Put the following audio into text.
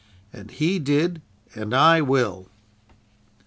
And He did, and I will!"